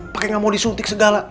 pakai nggak mau disuntik segala